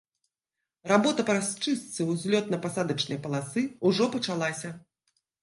Работа па расчыстцы ўзлётна-пасадачнай паласы ўжо пачалася.